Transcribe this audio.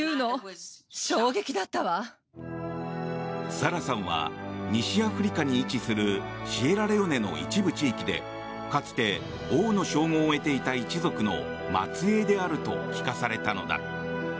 サラさんは西アフリカに位置するシエラレオネの一部地域でかつて王の称号を得ていた一族の末裔であると聞かされたのだ。